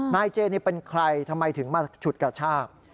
นายเจนี่เป็นใครทำไมถึงมาฉุดกระชาก